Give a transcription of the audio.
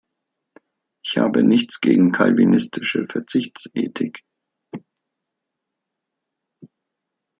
Ich habe nichts gegen calvinistische Verzichtsethik.